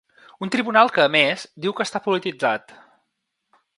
Un tribunal que, a més, diu que està polititzat.